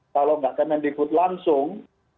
kalau tidak kan kmd good langsung